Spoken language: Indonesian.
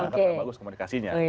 karena bagus komunikasinya